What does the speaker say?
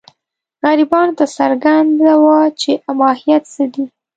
غربیانو ته څرګنده وه چې ماهیت څه دی.